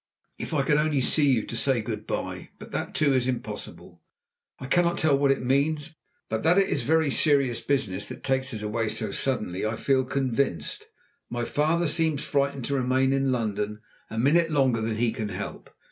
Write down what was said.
If I could only see you to say good bye; but that, too, is impossible. I cannot tell what it all means, but that it is very serious business that takes us away so suddenly I feel convinced. My father seems frightened to remain in London a minute longer than he can help.